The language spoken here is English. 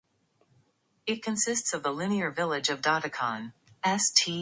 It consists of the linear village of Dottikon.